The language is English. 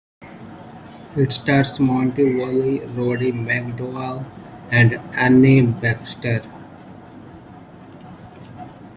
It stars Monty Woolley, Roddy McDowall and Anne Baxter.